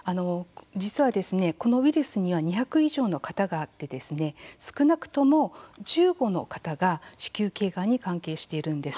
実は、このウイルスには２００以上の型があって少なくとも１５の型が子宮頸がんに関係しているんです。